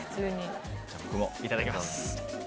じゃあ僕もいただきます。